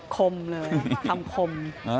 คมเลยคำคม